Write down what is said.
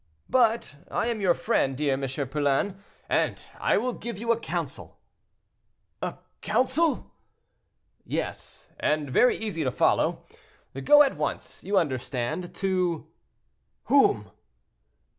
"But I am your friend, dear M. Poulain, and I will give you a counsel." "A counsel?" "Yes; and very easy to follow. Go at once, you understand, to—" "Whom?"